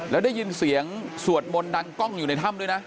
แล้วได้ยินเสียงสวดมนต์ดังกล้องอยู่ในถ้ำด้วยนะ